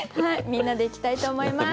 みんなで行きたいと思います。